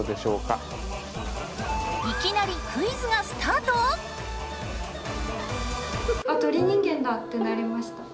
いきなりクイズがスタート？ってなりました。